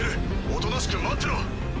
おとなしく待ってろ。